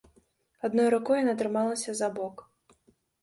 Адной рукой яна трымалася за бок.